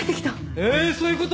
えそういうこと？